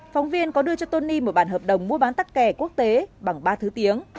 phóng viên có đưa cho tony một bản hợp đồng mua bán tắt kẻ quốc tế bằng ba thứ tiếng